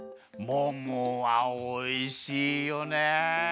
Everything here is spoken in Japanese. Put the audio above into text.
ももはおいしいよね。